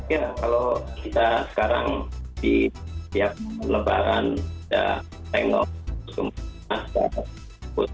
ya kalau kita sekarang di tiap lebaran kita tengok